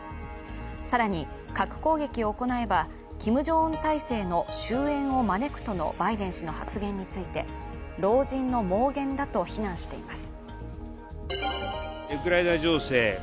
更に、核攻撃を行えばキム・ジョンウン体制の終えんを招くとのバイデン氏の発言について老人の妄言だと非難しています。